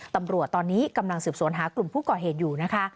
ตำรวจตอนนี้กำลังสืบสวนหากลุ่มผู้ก่อเหตุอยู่นะคะ